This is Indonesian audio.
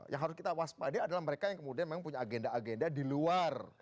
yang harus kita waspadai adalah mereka yang kemudian memang punya agenda agenda di luar